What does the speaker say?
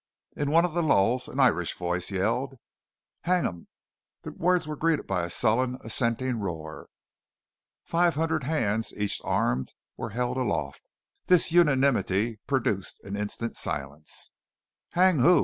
In one of the lulls an Irish voice yelled: "Hang them!" The words were greeted by a sullen assenting roar. Five hundred hands, each armed, were held aloft. This unanimity produced an instant silence. "Hang who?"